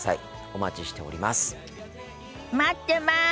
お待ちしております。